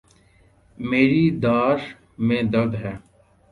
میری داڑھ میں درد ہے